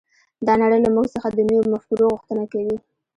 دا نړۍ له موږ څخه د نویو مفکورو غوښتنه کوي